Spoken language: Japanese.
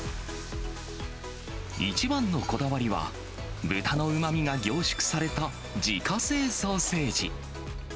一番のこだわりは、豚のうまみが凝縮された自家製ソーセージ。